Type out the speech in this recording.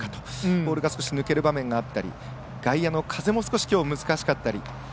ボールが少し抜ける場面があったり外野の風もきょうは少し難しかったり。